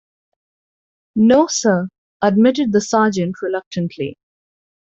"No, sir," admitted the sergeant reluctantly.